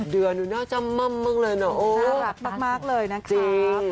๗เดือนหนูน่าจะเมิ่มเมื่องเลยเนอะน่ารักมากเลยนะคะจริงค่ะ